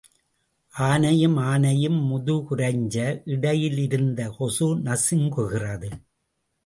ஆனையும் ஆனையும் முதுகுரைஞ்ச இடையிலிருந்து கொசு நசுங்குகிறது.